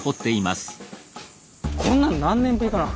こんなの何年ぶりかな。